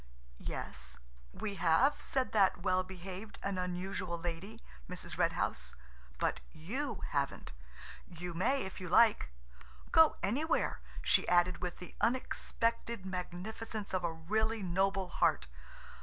"Yes–we have," said that well behaved and unusual lady–Mrs. Red House, "but you haven't. You may if you like. Go anywhere," she added with the unexpected magnificence of a really noble heart.